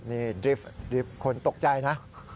นี่ดริฟต์คนตกใจนะ